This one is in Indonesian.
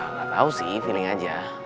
ga tau sih feeling aja